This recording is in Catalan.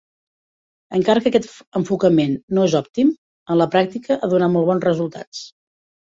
Encara que aquest enfocament no és òptim, en la pràctica ha donat molt bons resultats.